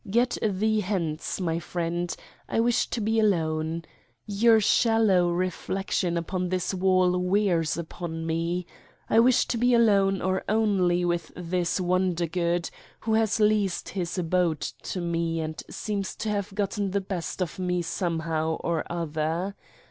Get thee hence, my friend. I wish to be alone. Your shallow reflection upon this wall wears upon me. I wish to be alone or only with this "Wondergood who has leased his abode to Me and seems to have gotten the best of Me somehow or other.